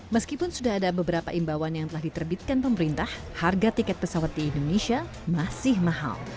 meskipun sudah ada beberapa imbauan yang telah diterbitkan pemerintah harga tiket pesawat di indonesia masih mahal